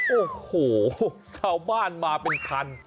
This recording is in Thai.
โอ้โหชาวบ้านมาเป็นคัน